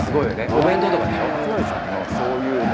お弁当とかでしょ」